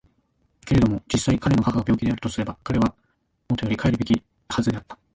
けれども実際彼の母が病気であるとすれば彼は固より帰るべきはずであった。